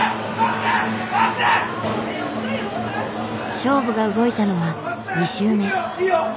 勝負が動いたのは２周目。